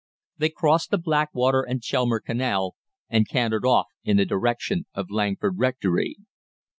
They crossed the Blackwater and Chelmer Canal, and cantered off in the direction of Langford Rectory.